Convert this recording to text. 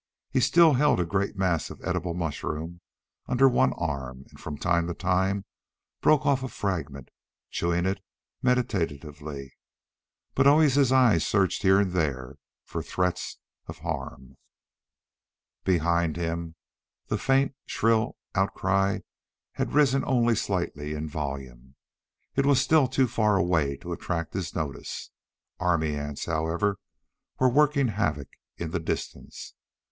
He still held a great mass of edible mushroom under one arm and from time to time broke off a fragment, chewing it meditatively. But always his eyes searched here and there for threats of harm. Behind him the faint, shrill outcry had risen only slightly in volume. It was still too far away to attract his notice. Army ants, however, were working havoc in the distance.